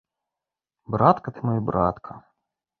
Братка ты мой, братка!